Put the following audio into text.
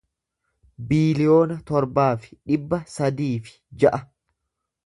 biiliyoona torbaa fi dhibba sadii fi ja'a